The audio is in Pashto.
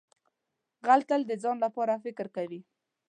غل تل د ځان لپاره فکر کوي